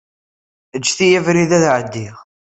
Ǧǧet-iyi abrid ad ɛeddiɣ.